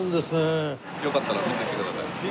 よかったら見ていってください。